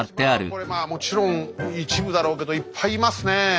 これまあもちろん一部だろうけどいっぱいいますねえ。